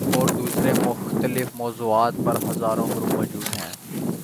اور دوسرے مختلف موضوعات پر ہزاروں گروپ موجود ہیں۔